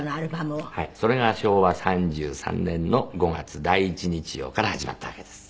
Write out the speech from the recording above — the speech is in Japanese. それが昭和３３年の５月第１日曜から始まったわけです。